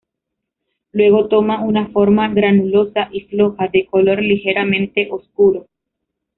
Luego toma una forma granulosa y floja, de color ligeramente oscuro.